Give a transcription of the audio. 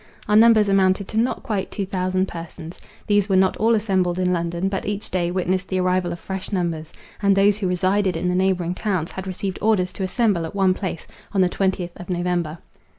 Our numbers amounted to not quite two thousand persons. These were not all assembled in London, but each day witnessed the arrival of fresh numbers, and those who resided in the neighbouring towns, had received orders to assemble at one place, on the twentieth of November.